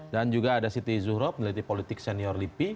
dan juga ada siti zuhrob peneliti politik senior lipi